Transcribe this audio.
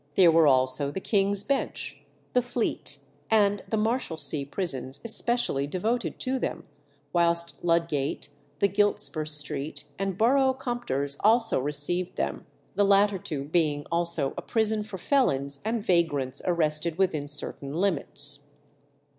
There were also the King's Bench, the Fleet, and the Marshalsea prisons especially devoted to them, whilst Ludgate, the Giltspur Street, and Borough Compters also received them the latter two being also a prison for felons and vagrants arrested within certain limits.